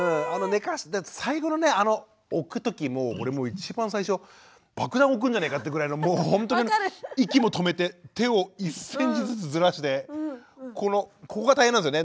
最後のねあの置くときもう俺も一番最初爆弾置くんじゃねえかってぐらいのもうほんとに息も止めて手を１センチずつずらしてこのここが大変なんですよね。